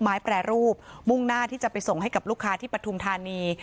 แปรรูปมุ่งหน้าที่จะไปส่งให้กับลูกค้าที่ปฐุมธานี